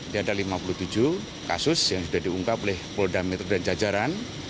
jadi ada lima puluh tujuh kasus yang sudah diungkap oleh polda metro dan jajaran